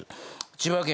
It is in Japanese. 千葉県